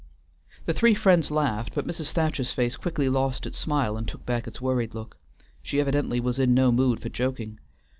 The three friends laughed, but Mrs. Thacher's face quickly lost its smile and took back its worried look. She evidently was in no mood for joking.